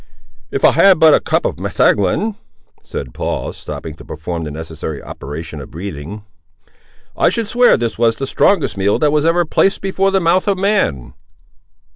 "If I had but a cup of metheglin," said Paul, stopping to perform the necessary operation of breathing, "I should swear this was the strongest meal that was ever placed before the mouth of man!"